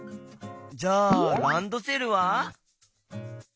じゃあランドセルは？